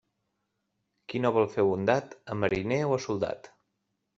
Qui no vol fer bondat, a mariner o a soldat.